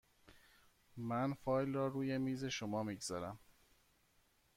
من فایل را روی میز شما می گذارم.